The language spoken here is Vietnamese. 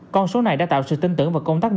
con số này đã tạo sự tinh tưởng